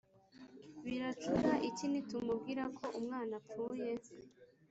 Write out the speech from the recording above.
biracura iki nitumubwira ko umwana apfuye?